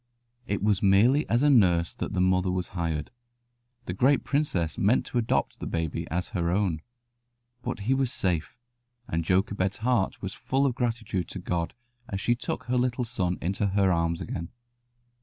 It was merely as a nurse that the mother was hired. The great princess meant to adopt the baby as her own. But he was safe, and Jochebed's heart was full of gratitude to God as she took her little son into her arms again.